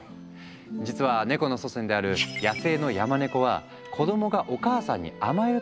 実はネコの祖先である野生のヤマネコは子供がお母さんに甘える